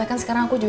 aku harus pergi